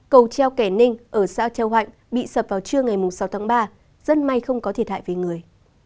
cầu treo kẻ ninh ở xã treo hoạnh bị sập vào trưa ngày sáu tháng ba dân may không có thiệt hại về người